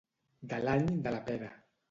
De l'any de la pera.